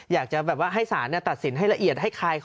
อยากจะแบบว่าให้สารตัดสินให้ละเอียด